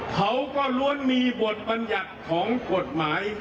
เขาก็ล้วนมีบทบัญญัติของกฎหมาย